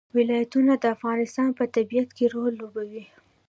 ولایتونه د افغانستان په طبیعت کې رول لوبوي.